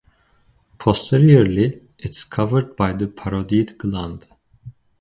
Posteriorly, it is covered by the parotid gland.